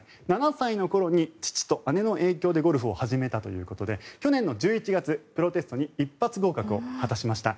７歳の頃に父と姉の影響でゴルフを始めたということで去年１１月、プロテストに一発合格を果たしました。